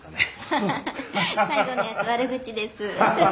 ハハハ最後のやつ悪口です。